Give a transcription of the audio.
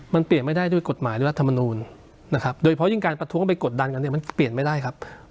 มันเปลี่ยนไม่ได้ด้วยกฎหมายหรือรัฐมนูลนะครับโดยเพราะยิ่งการประท้วงไปกดดันกันเนี่ยมันเปลี่ยนไม่ได้ครับ